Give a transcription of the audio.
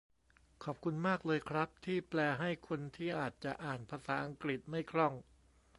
ขอบคุณมากเลยครับที่แปลให้คนที่อาจจะอ่านภาษาอังกฤษไม่คล่อง